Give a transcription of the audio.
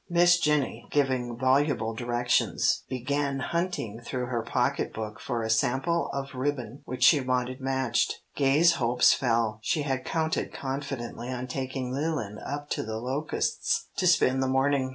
Miss Jennie, giving voluble directions, began hunting through her pocketbook for a sample of ribbon which she wanted matched. Gay's hopes fell. She had counted confidently on taking Leland up to the Locusts to spend the morning.